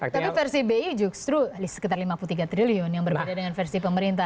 tapi versi bi justru sekitar lima puluh tiga triliun yang berbeda dengan versi pemerintah